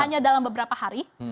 hanya dalam beberapa hari